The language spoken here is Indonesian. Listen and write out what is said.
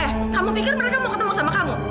eh kamu pikir mereka mau ketemu sama kamu